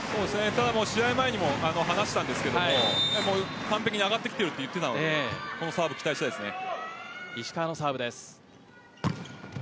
試合前にも話したんですが完璧に上がってきていると言っていたのでこのサーブ、期待したいですね。